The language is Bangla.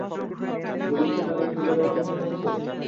পুলিশ কি তাদের খুঁজে বের করতে পেরেছে?